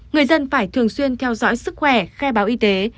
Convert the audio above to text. người dân phải thường xuyên theo dõi sức khỏe khai báo y tế